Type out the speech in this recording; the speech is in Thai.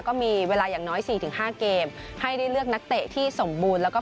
ก็มีเวลาอย่างน้อยสี่ถึงห้าเกมให้ได้เลือกนักเตะที่สมบูรณ์แล้วก็